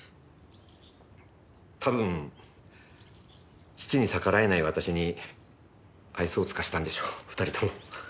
たぶん父に逆らえない私に愛想を尽かしたんでしょう２人とも。